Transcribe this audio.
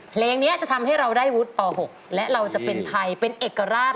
เพลงนี้จะทำให้เราได้วุฒิป๖และเราจะเป็นไทยเป็นเอกราช